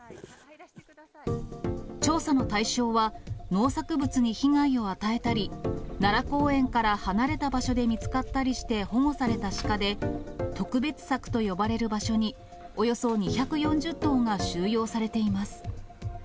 調査の対象は農作物に被害を与えたり、奈良公園から離れた場所で見つかったりして保護されたシカで、特別柵と呼ばれる場所におよそ２４０頭が収容されています。